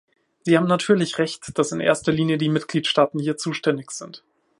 Sie haben natürlich Recht, dass in erster Linie die Mitgliedstaaten hier zuständig sind.